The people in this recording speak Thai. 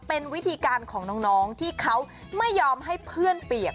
เป็นวิธีการของน้องที่เขาไม่ยอมให้เพื่อนเปียก